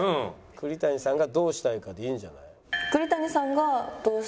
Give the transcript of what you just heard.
栗谷さんがどうしたいかでいいんじゃない？